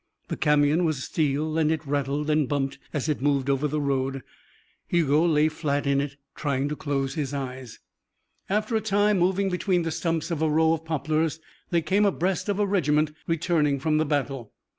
The camion was steel and it rattled and bumped as it moved over the road. Hugo lay flat in it, trying to close his eyes. After a time, moving between the stumps of a row of poplars, they came abreast of a regiment returning from the battle.